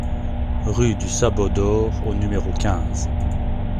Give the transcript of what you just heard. Rue du Sabot d'Or au numéro quinze